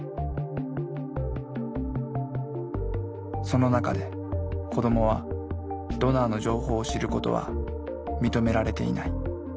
その中で子どもはドナーの情報を知ることは認められていない。